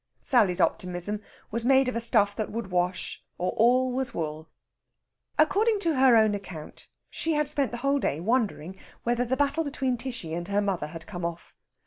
Sally's optimism was made of a stuff that would wash, or was all wool. According to her own account, she had spent the whole day wondering whether the battle between Tishy and her mother had come off.